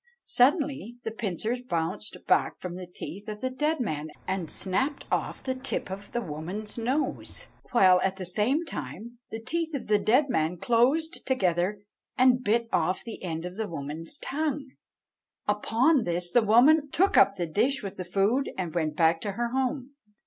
Suddenly the pincers bounced back from the teeth of the dead man, and snapped off the tip of the woman's nose; while, at the same time, the teeth of the dead man closed together and bit off the end of the woman's tongue. Upon this the woman took up the dish with the food and went back to her home.